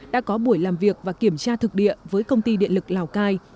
đã có buổi làm việc và kiểm tra thực địa với công ty điện lực lào cai